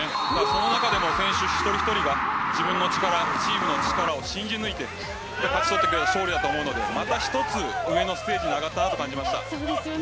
その中でも選手一人一人が自分の力チームの力を信じ抜いて勝ち取った勝利だと思うのでまた一つ上のステージに上がったと感じました。